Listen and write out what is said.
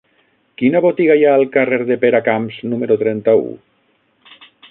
Quina botiga hi ha al carrer de Peracamps número trenta-u?